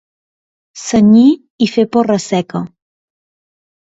Cenyir i fer porra seca.